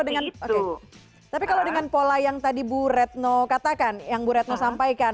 dengan oke tapi kalau dengan pola yang tadi bu retno katakan yang bu retno sampaikan